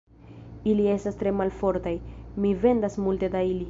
Ili estas tre malfortaj; mi vendas multe da ili.